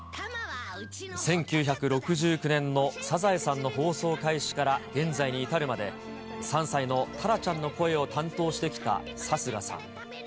１９６９年のサザエさんの放送開始から現在に至るまで、３歳のタラちゃんの声を担当してきた貴家さん。